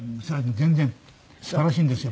全然素晴らしいんですよ。